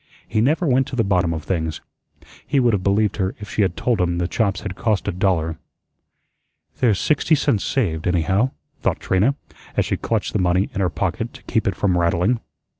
He never went to the bottom of things. He would have believed her if she had told him the chops had cost a dollar. "There's sixty cents saved, anyhow," thought Trina, as she clutched the money in her pocket to keep it from rattling.